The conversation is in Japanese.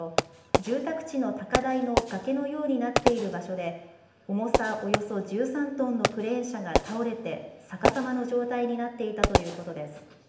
住宅地の高台の崖のようになっている場所で重さおよそ１３トンのクレーン車が倒れて逆さまの状態になっていたということです。